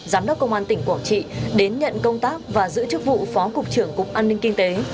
giám đốc công an tỉnh quảng trị đến nhận công tác và giữ chức vụ phó cục trưởng cục an ninh kinh tế